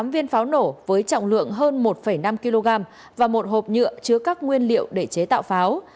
tám viên pháo nổ với trọng lượng hơn một năm kg và một hộp nhựa chứa các nguyên liệu để chế tạo pháo